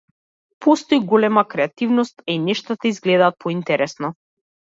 Постои голема креативност, а и нештата изгледаат поинтересно.